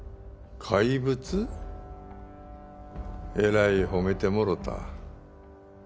えらい褒めてもろた。